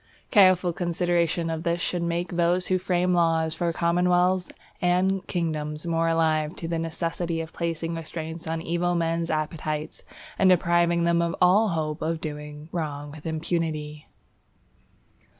Careful consideration of this should make those who frame laws for commonwealths and kingdoms more alive to the necessity of placing restraints on men's evil appetites, and depriving them of all hope of doing wrong with impunity.